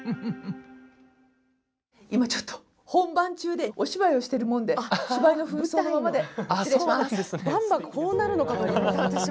今ちょっと、本番中でお芝居をしているもので芝居のふん装のままで失礼します。